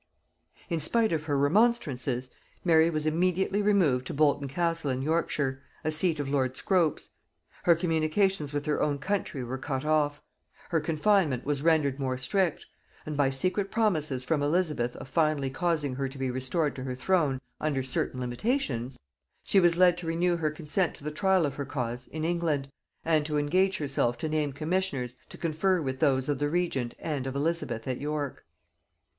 In spite of her remonstrances, Mary was immediately removed to Bolton castle in Yorkshire, a seat of lord Scrope's; her communications with her own country were cut off; her confinement was rendered more strict; and by secret promises from Elizabeth of finally causing her to be restored to her throne under certain limitations, she was led to renew her consent to the trial of her cause in England, and to engage herself to name commissioners to confer with those of the regent and of Elizabeth at York.